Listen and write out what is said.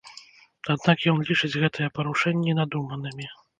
Аднак ён лічыць гэтыя парушэнні надуманымі.